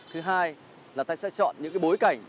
thứ hai là ta sẽ chọn những bối cảnh